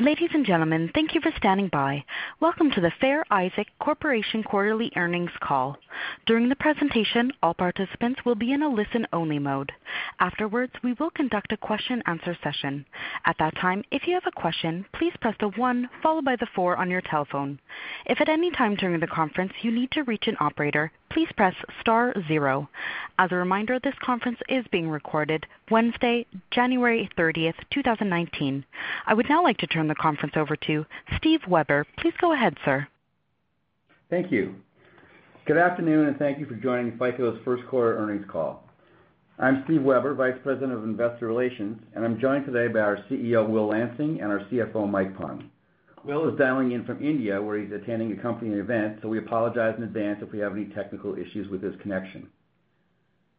Ladies and gentlemen, thank you for standing by. Welcome to the Fair Isaac Corporation quarterly earnings call. During the presentation, all participants will be in a listen-only mode. Afterwards, we will conduct a question answer session. At that time, if you have a question, please press the one followed by the four on your telephone. If at any time during the conference you need to reach an operator, please press star zero. As a reminder, this conference is being recorded Wednesday, January 30th, 2019. I would now like to turn the conference over to Steve Weber. Please go ahead, sir. Thank you. Good afternoon, and thank you for joining FICO's first quarter earnings call. I'm Steve Weber, Vice President of Investor Relations, and I'm joined today by our CEO, Will Lansing, and our CFO, Mike Pung. Will is dialing in from India, where he's attending a company event, so we apologize in advance if we have any technical issues with his connection.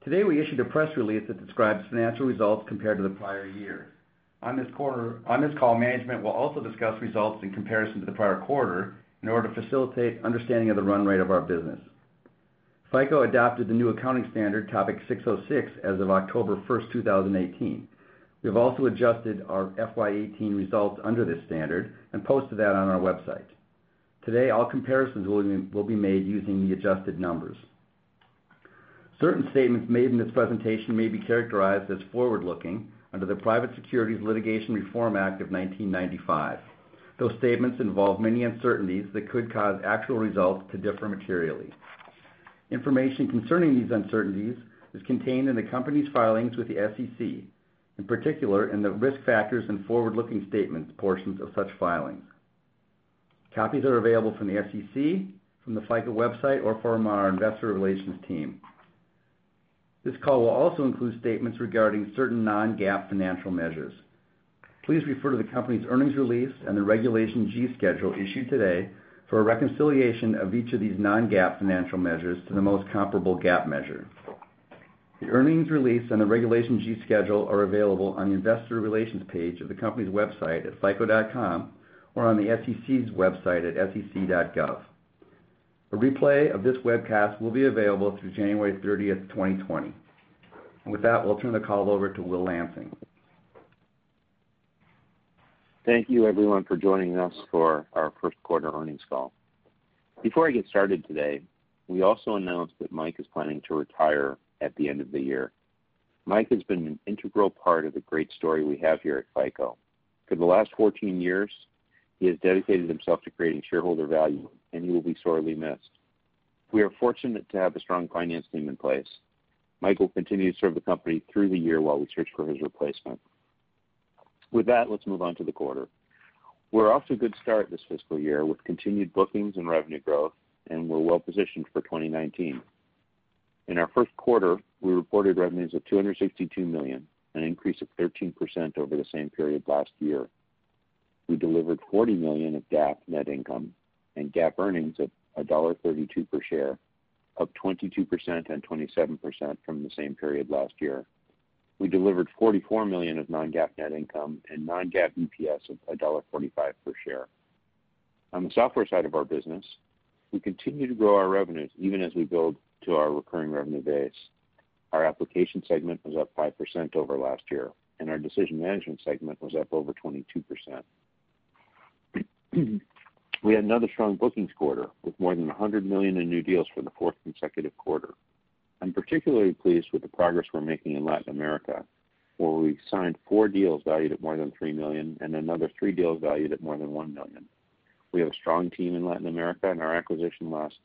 Today, we issued a press release that describes financial results compared to the prior year. On this call, management will also discuss results in comparison to the prior quarter in order to facilitate understanding of the run rate of our business. FICO adopted the new accounting standard Topic 606 as of October first, 2018. We have also adjusted our FY 2018 results under this standard and posted that on our website. Today, all comparisons will be made using the adjusted numbers. Certain statements made in this presentation may be characterized as forward-looking under the Private Securities Litigation Reform Act of 1995. Those statements involve many uncertainties that could cause actual results to differ materially. Information concerning these uncertainties is contained in the company's filings with the SEC, in particular in the risk factors and forward-looking statements portions of such filings. Copies are available from the SEC, from the FICO website, or from our investor relations team. This call will also include statements regarding certain non-GAAP financial measures. Please refer to the company's earnings release and the Regulation G schedule issued today for a reconciliation of each of these non-GAAP financial measures to the most comparable GAAP measure. The earnings release and the Regulation G schedule are available on the investor relations page of the company's website at fico.com or on the SEC's website at sec.gov. A replay of this webcast will be available through January 30th, 2020. With that, we'll turn the call over to Will Lansing. Thank you everyone for joining us for our first quarter earnings call. Before I get started today, we also announced that Mike is planning to retire at the end of the year. Mike has been an integral part of the great story we have here at FICO. For the last 14 years, he has dedicated himself to creating shareholder value, and he will be sorely missed. We are fortunate to have a strong finance team in place. Mike will continue to serve the company through the year while we search for his replacement. With that, let us move on to the quarter. We are off to a good start this fiscal year with continued bookings and revenue growth, and we are well positioned for 2019. In our first quarter, we reported revenues of $262 million, an increase of 13% over the same period last year. We delivered $40 million of GAAP net income and GAAP earnings of $1.32 per share, up 22% and 27% from the same period last year. We delivered $44 million of non-GAAP net income and non-GAAP EPS of $1.45 per share. On the software side of our business, we continue to grow our revenues even as we build to our recurring revenue base. Our application segment was up 5% over last year, and our Decision Management segment was up over 22%. We had another strong bookings quarter, with more than $100 million in new deals for the fourth consecutive quarter. I am particularly pleased with the progress we are making in Latin America, where we signed four deals valued at more than $3 million and another three deals valued at more than $1 million. We have a strong team in Latin America and our acquisition last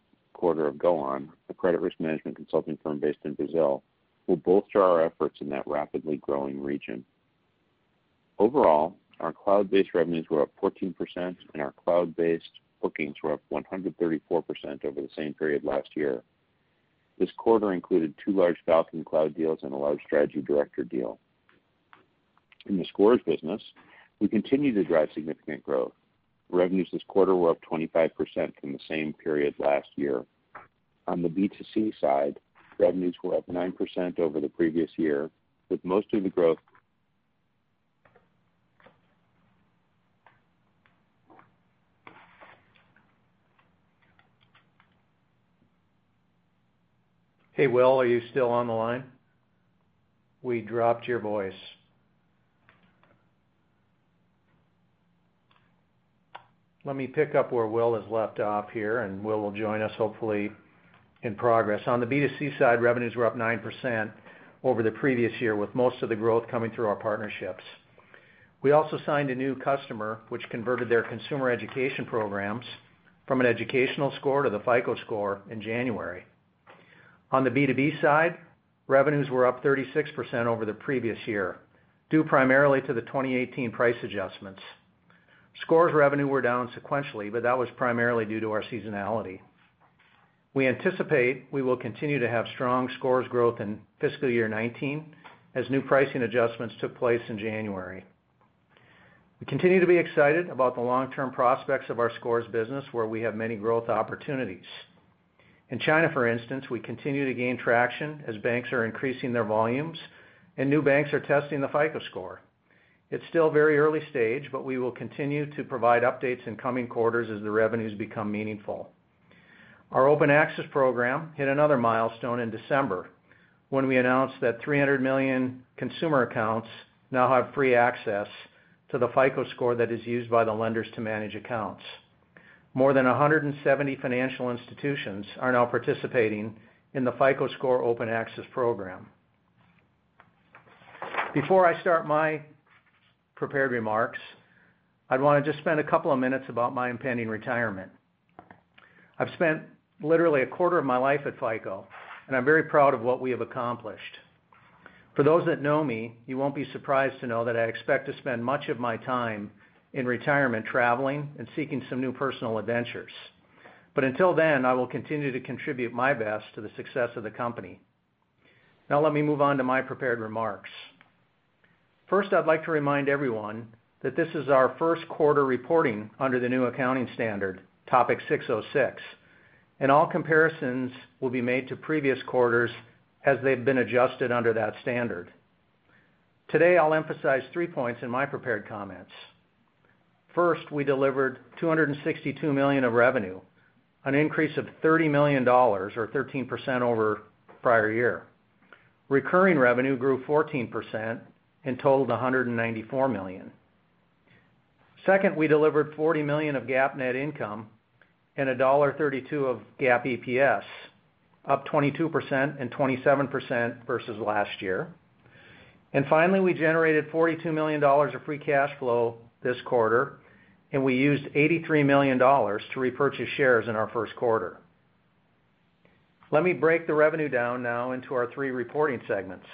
quarter of GoOn, a credit risk management consulting firm based in Brazil, will bolster our efforts in that rapidly growing region. Overall, our cloud-based revenues were up 14% and our cloud-based bookings were up 134% over the same period last year. This quarter included two large Falcon Cloud deals and a large Strategy Director deal. In the Scores business, we continue to drive significant growth. Revenues this quarter were up 25% from the same period last year. On the B2C side, revenues were up 9% over the previous year, with most of the growth- Hey, Will, are you still on the line? We dropped your voice. Let me pick up where Will has left off here, and Will will join us hopefully in progress. On the B2C side, revenues were up 9% over the previous year, with most of the growth coming through our partnerships. We also signed a new customer, which converted their consumer education programs from an educational score to the FICO Score in January. On the B2B side, revenues were up 36% over the previous year, due primarily to the 2018 price adjustments. Scores revenue were down sequentially, that was primarily due to our seasonality. We anticipate we will continue to have strong Scores growth in fiscal year 2019, as new pricing adjustments took place in January. We continue to be excited about the long-term prospects of our Scores business, where we have many growth opportunities. In China, for instance, we continue to gain traction as banks are increasing their volumes and new banks are testing the FICO Score. It's still very early stage, but we will continue to provide updates in coming quarters as the revenues become meaningful. Our open access program hit another milestone in December when we announced that 300 million consumer accounts now have free access to the FICO Score that is used by the lenders to manage accounts. More than 170 financial institutions are now participating in the FICO Score Open Access program. Before I start my prepared remarks, I'd want to just spend a couple of minutes about my impending retirement. I've spent literally a quarter of my life at FICO, and I'm very proud of what we have accomplished. For those that know me, you won't be surprised to know that I expect to spend much of my time in retirement traveling and seeking some new personal adventures. Until then, I will continue to contribute my best to the success of the company. Let me move on to my prepared remarks. First, I'd like to remind everyone that this is our first quarter reporting under the new accounting standard, ASC 606. All comparisons will be made to previous quarters as they've been adjusted under that standard. Today, I'll emphasize three points in my prepared comments. First, we delivered $262 million of revenue, an increase of $30 million, or 13% over prior year. Recurring revenue grew 14% and totaled $194 million. Second, we delivered $40 million of GAAP net income and $1.32 of GAAP EPS, up 22% and 27% versus last year. Finally, we generated $42 million of free cash flow this quarter. We used $83 million to repurchase shares in our first quarter. Let me break the revenue down now into our three reporting segments.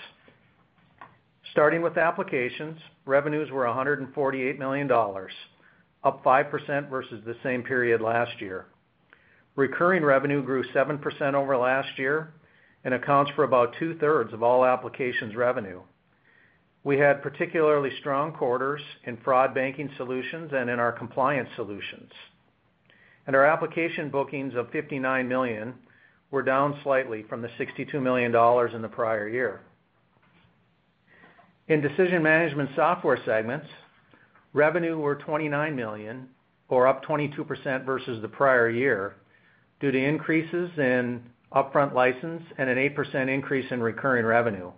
Starting with applications, revenues were $148 million, up 5% versus the same period last year. Recurring revenue grew 7% over last year and accounts for about two-thirds of all applications revenue. We had particularly strong quarters in fraud banking solutions and in our compliance solutions. Our application bookings of $59 million were down slightly from the $62 million in the prior year. In decision management software segments, revenue were $29 million, or up 22% versus the prior year due to increases in upfront license and an 8% increase in recurring revenue.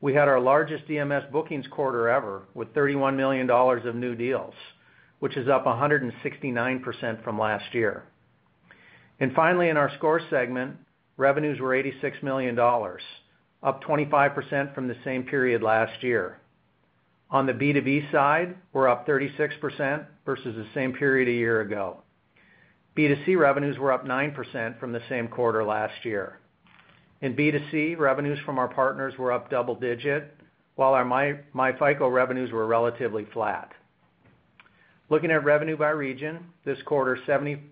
We had our largest DMS bookings quarter ever with $31 million of new deals, which is up 169% from last year. Finally, in our score segment, revenues were $86 million, up 25% from the same period last year. On the B2B side, we're up 36% versus the same period a year ago. B2C revenues were up 9% from the same quarter last year. In B2C, revenues from our partners were up double digit, while our myFICO revenues were relatively flat. Looking at revenue by region, this quarter, 77%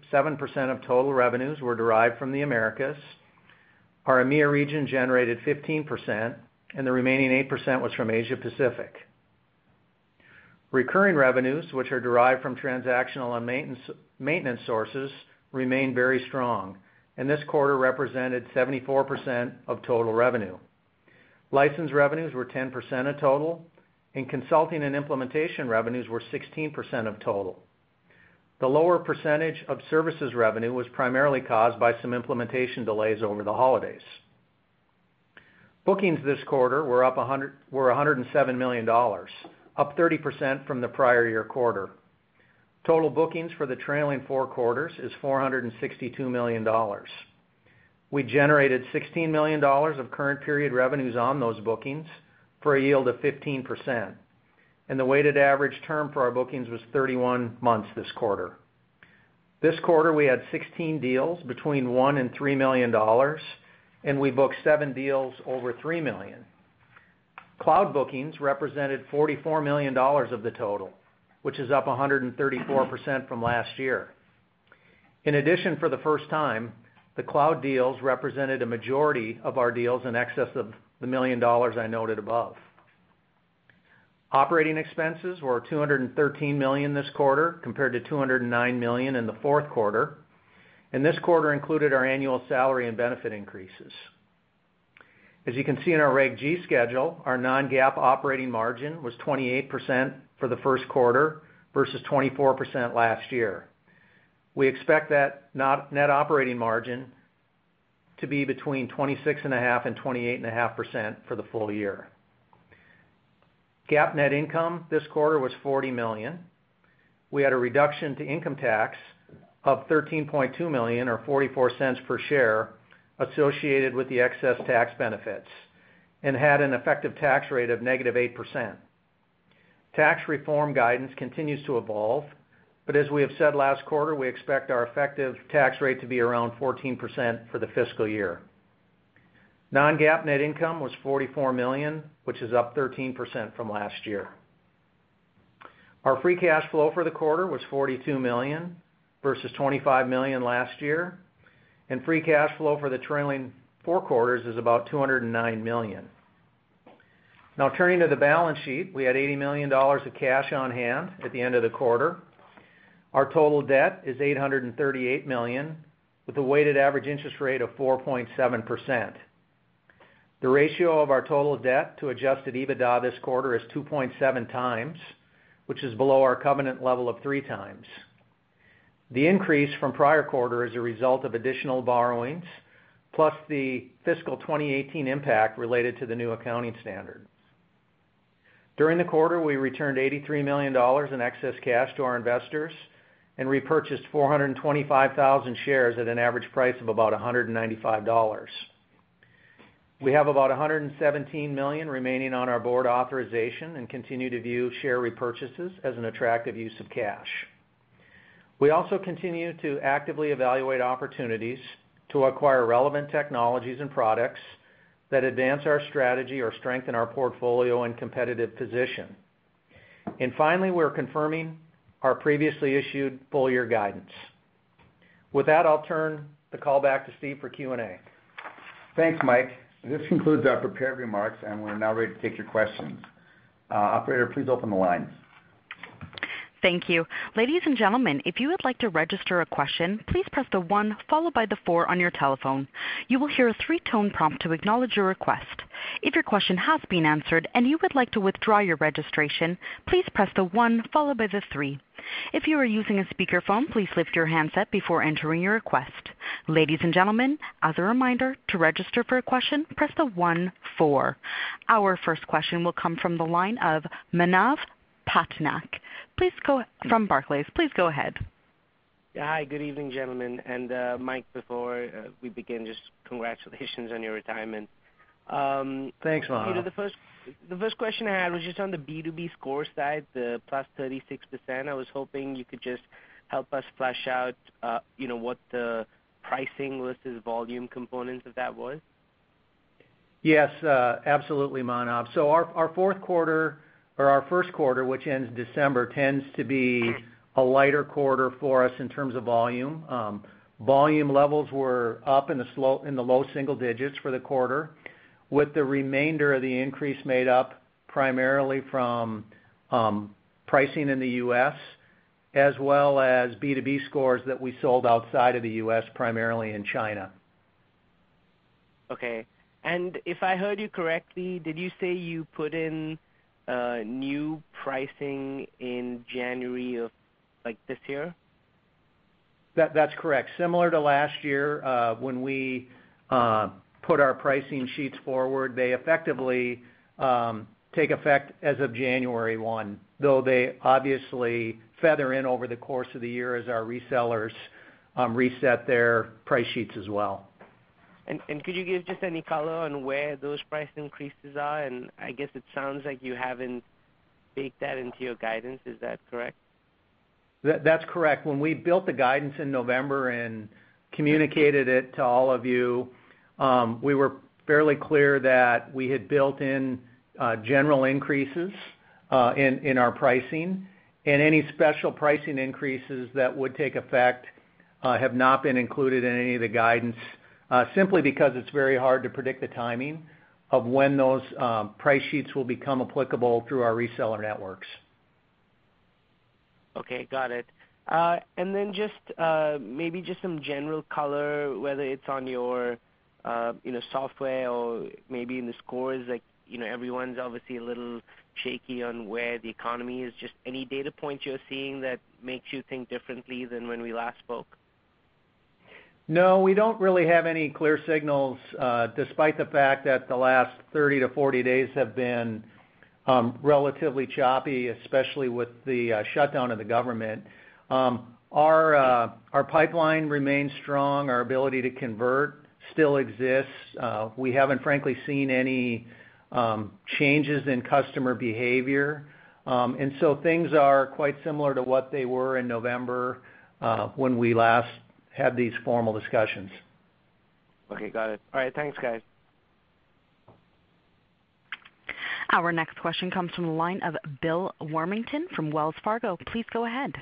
of total revenues were derived from the Americas. Our EMEA region generated 15%, and the remaining 8% was from Asia Pacific. Recurring revenues, which are derived from transactional and maintenance sources, remain very strong, and this quarter represented 74% of total revenue. License revenues were 10% of total, and consulting and implementation revenues were 16% of total. The lower percentage of services revenue was primarily caused by some implementation delays over the holidays. Bookings this quarter were $107 million, up 30% from the prior year quarter. Total bookings for the trailing four quarters is $462 million. We generated $16 million of current period revenues on those bookings for a yield of 15%, and the weighted average term for our bookings was 31 months this quarter. This quarter, we had 16 deals between $1 million and $3 million, and we booked seven deals over $3 million. Cloud bookings represented $44 million of the total, which is up 134% from last year. In addition, for the first time, the cloud deals represented a majority of our deals in excess of the $1 million I noted above. Operating expenses were $213 million this quarter, compared to $209 million in the fourth quarter, and this quarter included our annual salary and benefit increases. As you can see in our Reg G schedule, our non-GAAP operating margin was 28% for the first quarter versus 24% last year. We expect that net operating margin to be between 26.5%-28.5% for the full year. GAAP net income this quarter was $40 million. We had a reduction to income tax of $13.2 million or $0.44 per share associated with the excess tax benefits and had an effective tax rate of -8%. Tax reform guidance continues to evolve, but as we have said last quarter, we expect our effective tax rate to be around 14% for the fiscal year. Non-GAAP net income was $44 million, which is up 13% from last year. Our free cash flow for the quarter was $42 million versus $25 million last year, and free cash flow for the trailing four quarters is about $209 million. Turning to the balance sheet, we had $80 million of cash on hand at the end of the quarter. Our total debt is $838 million, with a weighted average interest rate of 4.7%. The ratio of our total debt to adjusted EBITDA this quarter is 2.7 times, which is below our covenant level of three times. The increase from prior quarter is a result of additional borrowings, plus the FY 2018 impact related to the new accounting standard. During the quarter, we returned $83 million in excess cash to our investors and repurchased 425,000 shares at an average price of about $195. We have about $117 million remaining on our board authorization and continue to view share repurchases as an attractive use of cash. We also continue to actively evaluate opportunities to acquire relevant technologies and products that advance our strategy or strengthen our portfolio and competitive position. Finally, we're confirming our previously issued full-year guidance. With that, I'll turn the call back to Steve for Q&A. Thanks, Mike. This concludes our prepared remarks, and we are now ready to take your questions. Operator, please open the lines. Thank you. Ladies and gentlemen, if you would like to register a question, please press the one followed by the four on your telephone. You will hear a three-tone prompt to acknowledge your request. If your question has been answered and you would like to withdraw your registration, please press the one followed by the three. If you are using a speakerphone, please lift your handset before entering your request. Ladies and gentlemen, as a reminder, to register for a question, press the one four. Our first question will come from the line of Manav Patnaik from Barclays. Please go ahead. Hi. Good evening, gentlemen. Mike, before we begin, just congratulations on your retirement. Thanks, Manav. Peter, the first question I had was just on the B2B Scores side, the +36%. I was hoping you could just help us flesh out what the pricing versus volume component of that was. Yes. Absolutely, Manav. Our first quarter, which ends in December, tends to be a lighter quarter for us in terms of volume. Volume levels were up in the low single digits for the quarter, with the remainder of the increase made up primarily from pricing in the U.S., as well as B2B Scores that we sold outside of the U.S., primarily in China. Okay. If I heard you correctly, did you say you put in new pricing in January of this year? That's correct. Similar to last year, when we put our pricing sheets forward, they effectively take effect as of January one, though they obviously feather in over the course of the year as our resellers reset their price sheets as well. Could you give just any color on where those price increases are? I guess it sounds like you haven't baked that into your guidance. Is that correct? That's correct. When we built the guidance in November and communicated it to all of you, we were fairly clear that we had built in general increases in our pricing, any special pricing increases that would take effect have not been included in any of the guidance, simply because it's very hard to predict the timing of when those price sheets will become applicable through our reseller networks. Okay, got it. Then maybe just some general color, whether it's on your software or maybe in the scores. Everyone's obviously a little shaky on where the economy is. Just any data points you're seeing that makes you think differently than when we last spoke? No, we don't really have any clear signals, despite the fact that the last 30-40 days have been relatively choppy, especially with the shutdown of the government. Our pipeline remains strong. Our ability to convert still exists. We haven't frankly seen any changes in customer behavior. Things are quite similar to what they were in November when we last had these formal discussions. Okay, got it. All right, thanks, guys. Our next question comes from the line of Bill Warmington from Wells Fargo. Please go ahead.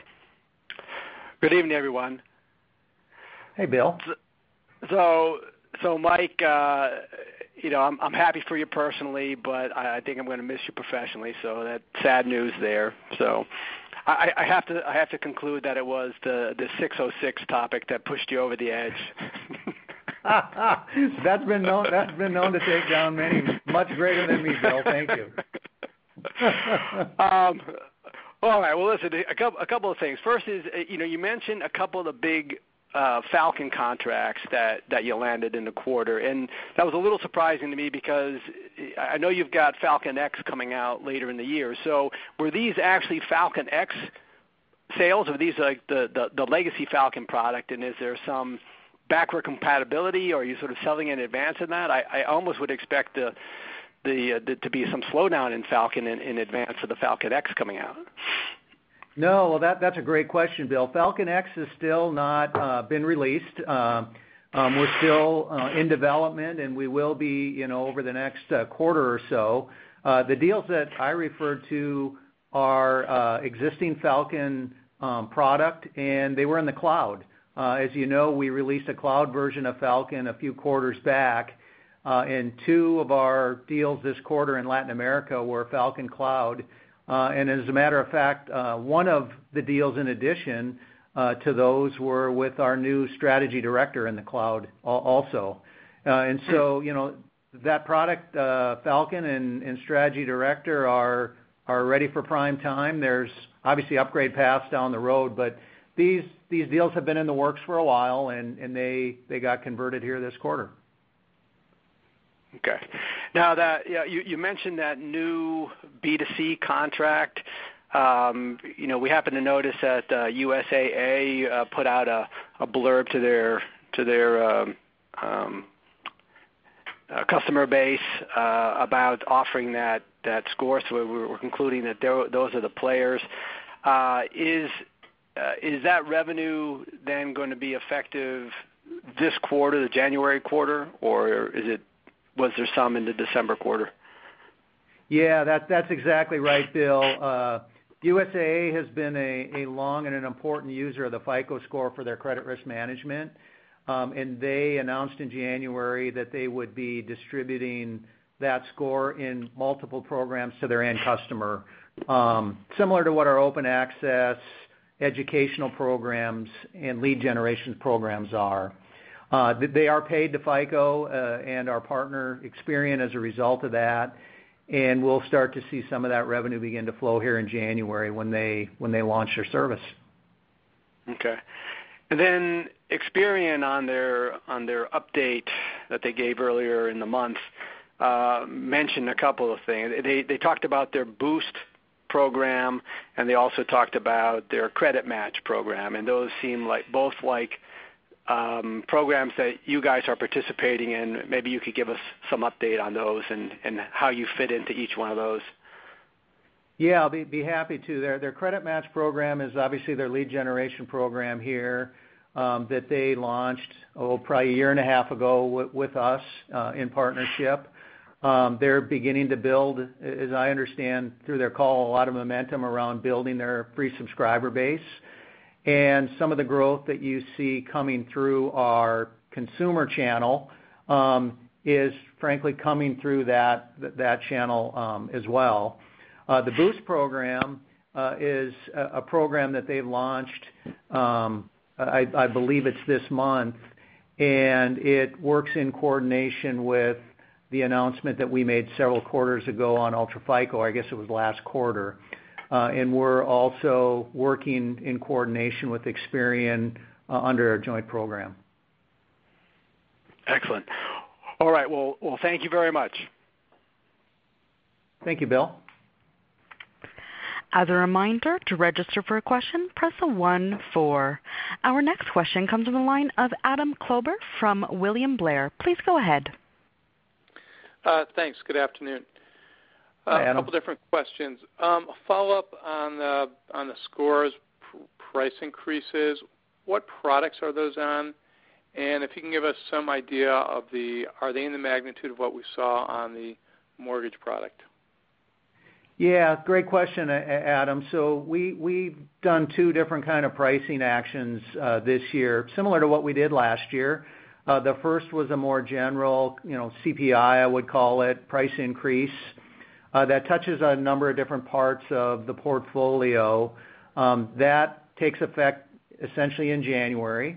Good evening, everyone. Hey, Bill. Mike, I'm happy for you personally, but I think I'm going to miss you professionally. That's sad news there. I have to conclude that it was the 606 topic that pushed you over the edge. That's been known to take down many much greater than me, Bill. Thank you. All right. Well, listen, a couple of things. First is, you mentioned a couple of the big Falcon contracts that you landed in the quarter, and that was a little surprising to me because I know you've got Falcon X coming out later in the year. Were these actually Falcon X sales? Are these the legacy Falcon product, and is there some backward compatibility? Are you sort of selling in advance in that? I almost would expect there to be some slowdown in Falcon in advance of the Falcon X coming out. No, that's a great question, Bill. Falcon X has still not been released. We're still in development, and we will be over the next quarter or so. The deals that I referred to are existing Falcon product, and they were in the cloud. As you know, we released a cloud version of Falcon a few quarters back, and two of our deals this quarter in Latin America were Falcon Cloud. As a matter of fact, one of the deals in addition to those were with our new Strategy Director in the cloud also. That product, Falcon and Strategy director are ready for prime time. There's obviously upgrade paths down the road, but these deals have been in the works for a while, and they got converted here this quarter. Okay. You mentioned that new B2C contract. We happen to notice that USAA put out a blurb to their customer base about offering that score. We're concluding that those are the players. Is that revenue then going to be effective this quarter, the January quarter, or was there some in the December quarter? Yeah, that's exactly right, Bill. USAA has been a long and an important user of the FICO Score for their credit risk management. They announced in January that they would be distributing that score in multiple programs to their end customer. Similar to what our FICO Score Open Access educational programs and lead generation programs are. They are paid to FICO and our partner, Experian, as a result of that, and we'll start to see some of that revenue begin to flow here in January when they launch their service. Okay. Experian, on their update that they gave earlier in the month, mentioned a couple of things. They talked about their Boost program, and they also talked about their CreditMatch program, and those seem both like programs that you guys are participating in. Maybe you could give us some update on those and how you fit into each one of those. Yeah, I'll be happy to. Their CreditMatch program is obviously their lead generation program here that they launched, oh, probably a year and a half ago with us in partnership. They're beginning to build, as I understand through their call, a lot of momentum around building their free subscriber base. Some of the growth that you see coming through our consumer channel is frankly coming through that channel as well. The Boost program is a program that they launched, I believe it's this month, and it works in coordination with the announcement that we made several quarters ago on UltraFICO. I guess it was last quarter. We're also working in coordination with Experian under a joint program. Excellent. All right. Well, thank you very much. Thank you, Bill. As a reminder, to register for a question, press a one four. Our next question comes from the line of Adam Klauber from William Blair. Please go ahead. Thanks. Good afternoon. Hi, Adam. A couple different questions. A follow-up on the scores price increases. What products are those on? If you can give us some idea of are they in the magnitude of what we saw on the mortgage product? Great question, Adam. We've done two different kind of pricing actions this year, similar to what we did last year. The first was a more general CPI, I would call it, price increase that touches on a number of different parts of the portfolio. That takes effect essentially in January.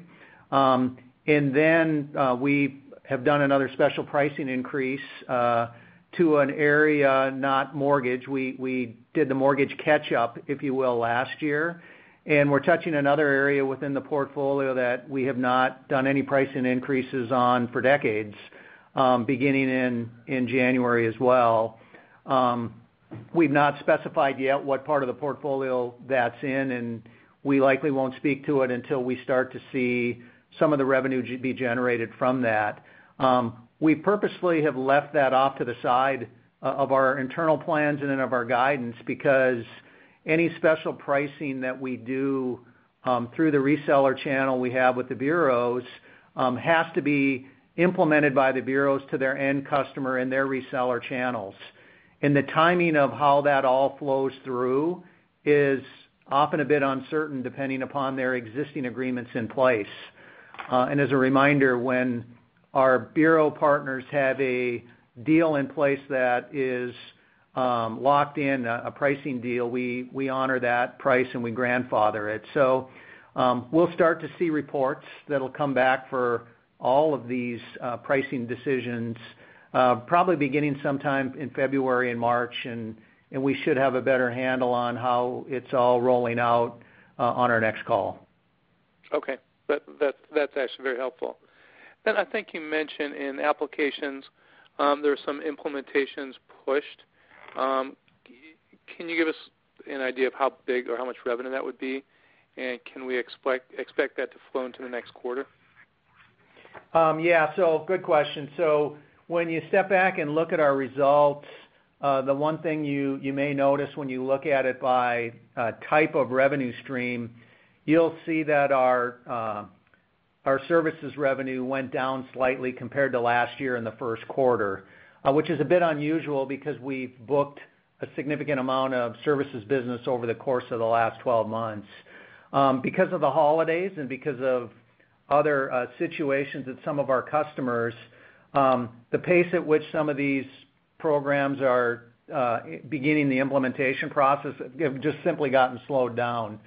Then we have done another special pricing increase to an area not mortgage. We did the mortgage catch-up, if you will, last year. We're touching another area within the portfolio that we have not done any pricing increases on for decades, beginning in January as well. We've not specified yet what part of the portfolio that's in, and we likely won't speak to it until we start to see some of the revenue be generated from that. We purposefully have left that off to the side of our internal plans and of our guidance because any special pricing that we do through the reseller channel we have with the bureaus has to be implemented by the bureaus to their end customer and their reseller channels. The timing of how that all flows through is often a bit uncertain depending upon their existing agreements in place. As a reminder, when our bureau partners have a deal in place that is locked in, a pricing deal, we honor that price and we grandfather it. We'll start to see reports that'll come back for all of these pricing decisions probably beginning sometime in February and March, and we should have a better handle on how it's all rolling out on our next call. Okay. That's actually very helpful. I think you mentioned in applications there's some implementations pushed. Can you give us an idea of how big or how much revenue that would be? Can we expect that to flow into the next quarter? Yeah, good question. When you step back and look at our results, the one thing you may notice when you look at it by type of revenue stream, you'll see that our services revenue went down slightly compared to last year in the first quarter. Which is a bit unusual because we've booked a significant amount of services business over the course of the last 12 months. Because of the holidays and because of other situations at some of our customers, the pace at which some of these programs are beginning the implementation process have just simply gotten slowed down.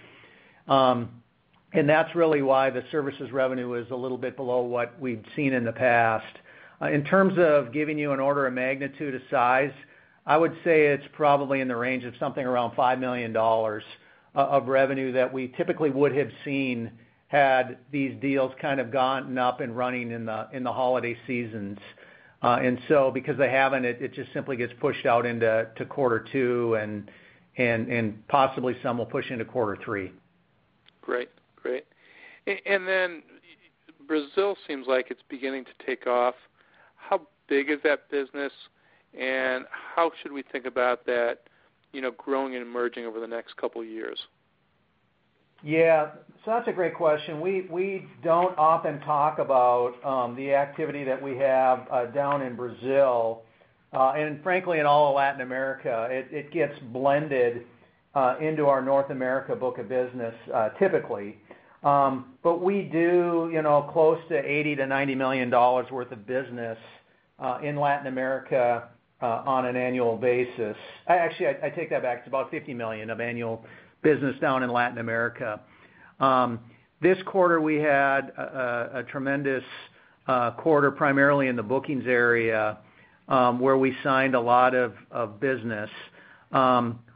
That's really why the services revenue is a little bit below what we've seen in the past. In terms of giving you an order of magnitude of size, I would say it's probably in the range of something around $5 million of revenue that we typically would have seen had these deals kind of gotten up and running in the holiday seasons. Because they haven't, it just simply gets pushed out into quarter two and possibly some will push into quarter three. Great. Brazil seems like it's beginning to take off. How big is that business and how should we think about that growing and emerging over the next couple of years? Yeah. That's a great question. We don't often talk about the activity that we have down in Brazil. Frankly, in all of Latin America, it gets blended into our North America book of business, typically. We do close to $80 million to $90 million worth of business in Latin America on an annual basis. Actually, I take that back. It's about $50 million of annual business down in Latin America. This quarter, we had a tremendous quarter, primarily in the bookings area, where we signed a lot of business.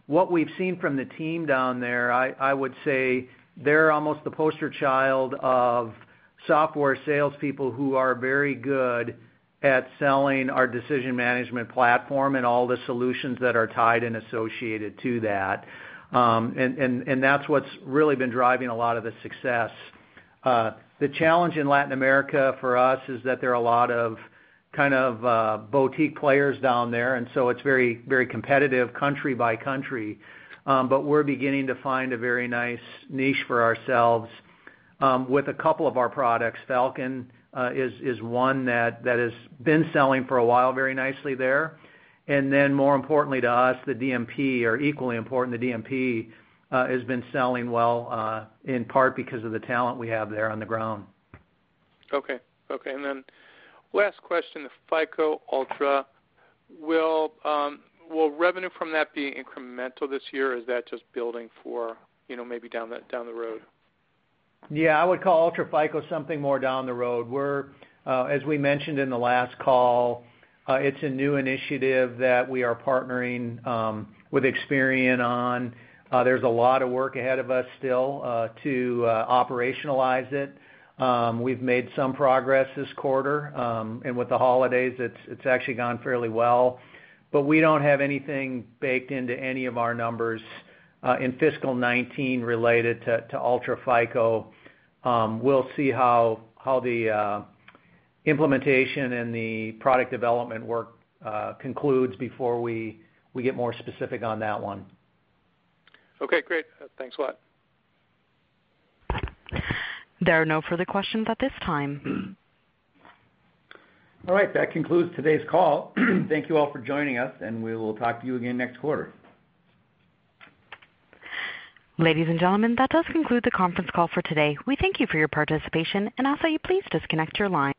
What we've seen from the team down there, I would say they're almost the poster child of software salespeople who are very good at selling our decision management platform and all the solutions that are tied and associated to that. That's what's really been driving a lot of the success. The challenge in Latin America for us is that there are a lot of kind of boutique players down there, it's very competitive country by country. We're beginning to find a very nice niche for ourselves with a couple of our products. Falcon is one that has been selling for a while, very nicely there. More importantly to us, the DMP, or equally important, the DMP, has been selling well, in part because of the talent we have there on the ground. Okay. Last question, the UltraFICO Score. Will revenue from that be incremental this year? Or is that just building for maybe down the road? Yeah. I would call UltraFICO something more down the road. As we mentioned in the last call, it's a new initiative that we are partnering with Experian on. There's a lot of work ahead of us still to operationalize it. We've made some progress this quarter. With the holidays, it's actually gone fairly well. We don't have anything baked into any of our numbers in fiscal 2019 related to UltraFICO. We'll see how the implementation and the product development work concludes before we get more specific on that one. Okay, great. Thanks a lot. There are no further questions at this time. All right. That concludes today's call. Thank you all for joining us, and we will talk to you again next quarter. Ladies and gentlemen, that does conclude the conference call for today. We thank you for your participation, and ask that you please disconnect your line.